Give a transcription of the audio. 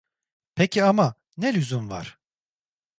Peki ama, ne lüzum var?